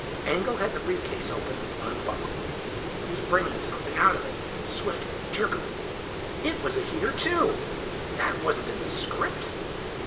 Engel had the briefcase open, unbuckled. He was bringing something out of it swiftly, jerkily. It was a heater too. That wasn't in the script.